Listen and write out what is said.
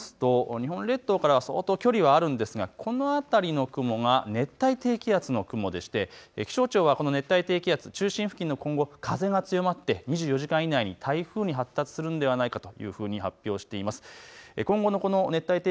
雲の様子を見てみると日本列島からは相当、距離はあるんですがこの辺りの雲が熱帯低気圧の雲でこの熱帯低気圧、中心付近が今後、風が強まって２４時間以内に台風に発達するのではないかと発表しています。